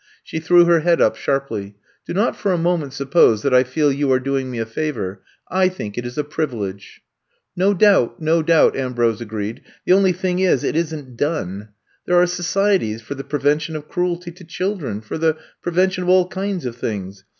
She threw her head up sharply. Do not for a moment suppose that I feel you are doing me a favor — ^I think it is a privilege !''No doubt, no doubt, *' Ambrose agreed. The only thing is, it isn't done. There are societies for the prevention of cruelty to children — for the prevention of all kinds of things.